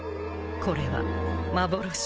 これは幻。